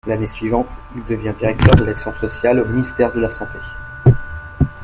L'année suivante, il devient directeur de l'action sociale au ministère de la santé.